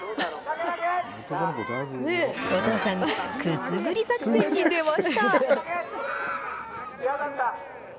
お父さん、くすぐり作戦に出ました。